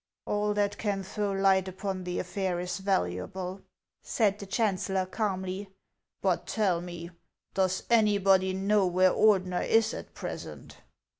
" All that can throw light upon the affair is valuable," said the chancellor, calmly. " But tell me, does anybody know where Ordener is at present